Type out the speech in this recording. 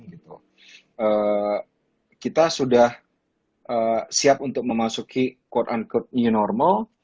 kita sudah siap untuk memasuki quote unquote new normal